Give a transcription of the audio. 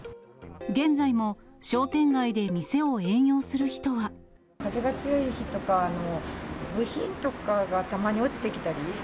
現在も商店街で店を営業する風が強い日とか、部品とかがたまに落ちてきたり。